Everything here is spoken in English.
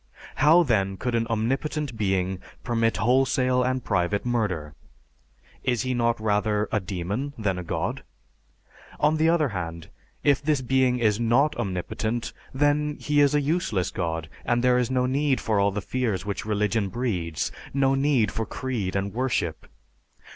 How, then, could an omnipotent being permit wholesale and private murder? Is He not rather a demon than a God? On the other hand, if this being is not omnipotent, then He is a useless god, and there is no need for all the fears which religion breeds, no need for creed and worship.